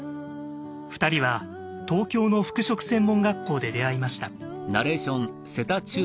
２人は東京の服飾専門学校で出会いました。